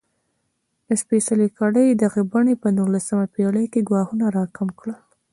د سپېڅلې کړۍ دغې بڼې په نولسمه پېړۍ کې ګواښونه راکم کړل.